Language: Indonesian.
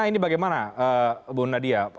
ini bagaimana bu nadia